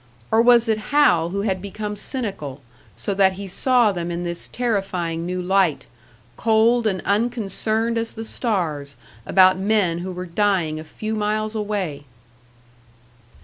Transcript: Or was it Hal who had become cynical so that he saw them in this terrifying new light, cold, and unconcerned as the stars about men who were dying a few miles away!